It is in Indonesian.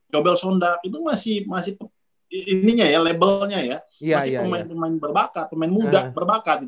yobel sondag itu masih ininya ya labelnya ya masih pemain berbakat pemain muda berbakat